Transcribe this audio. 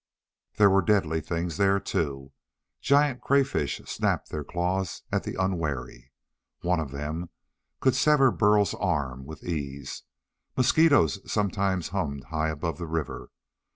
There were deadly things there, too. Giant crayfish snapped their claws at the unwary. One of them could sever Burl's arm with ease. Mosquitoes sometimes hummed high above the river.